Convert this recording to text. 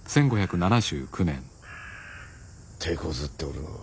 てこずっておるのう。